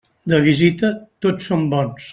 De visita, tots som bons.